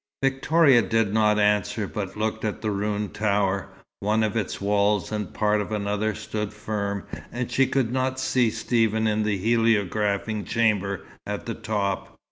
Victoria did not answer, but looked at the ruined tower. One of its walls and part of another stood firm, and she could not see Stephen in the heliographing chamber at the top.